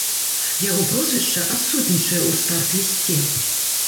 Яго прозвішча адсутнічае ў старт-лісце.